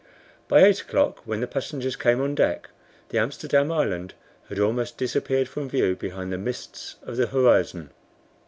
By eight o'clock, when the passengers came on deck, the Amsterdam Island had almost disappeared from view behind the mists of the horizon.